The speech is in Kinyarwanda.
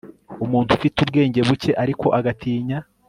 umuntu ufite ubwenge buke ariko agatinya